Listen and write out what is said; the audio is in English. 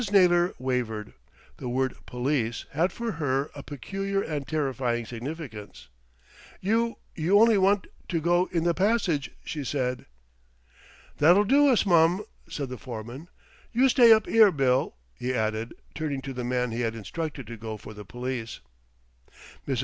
Naylor wavered. The word "police" had for her a peculiar and terrifying significance. "You you only want to go in the passage," she said. "That'll do us, mum," said the foreman. "You stay up 'ere, Bill," he added, turning to the man he had instructed to go for the police. Mrs.